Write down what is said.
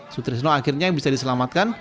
sutrisno akhirnya bisa diselamatkan